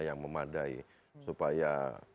yang memadai supaya